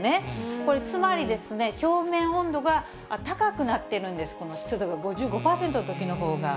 これ、つまりですね、表面温度が高くなってるんです、この湿度が５５％のときのほうが。